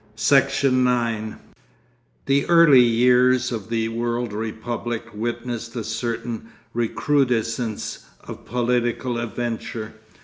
Section 8 The early years of the World Republic witnessed a certain recrudescence of political adventure.